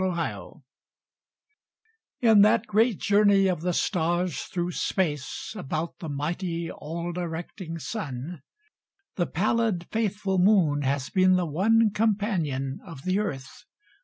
A SOLAR ECLIPSE In that great journey of the stars through space About the mighty, all directing Sun, The pallid, faithful Moon has been the one Companion of the Earth.